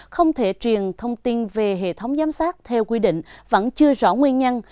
không thể truyền thông tin về hệ thống giám sát theo quy định vẫn chưa rõ nguyên nhân